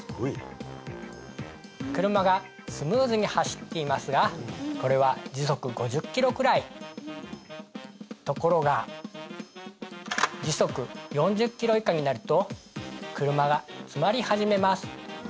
車がスムーズに走っていますがこれは時速５０キロくらいところが時速４０キロ以下になると車が詰まり始めます